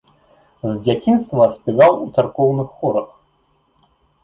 З дзяцінства спяваў у царкоўных хорах.